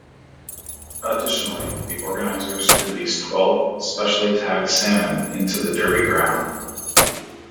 Additionally, the organizers release twelve specially-tagged salmon into the derby ground.